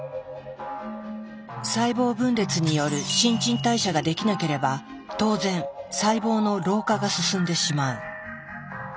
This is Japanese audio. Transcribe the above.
細胞分裂による新陳代謝ができなければ当然細胞の老化が進んでしまう。